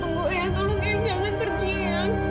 tolong ayah jangan pergi ayah